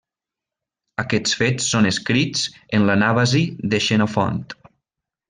Aquests fets són escrits en l'Anàbasi de Xenofont.